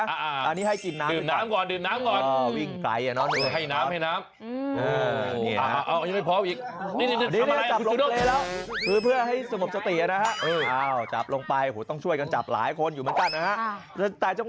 อันนี้ให้กินน้ำก่อนดื่มน้ำก่อนดื่มน้ำก่อน